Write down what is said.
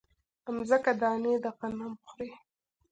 مځکه دانې د غنم خوري